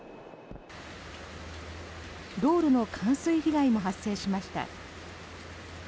道路の冠水被害も発生しました。